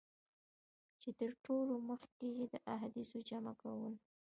چي تر ټولو مخکي یې د احادیثو جمع کولو.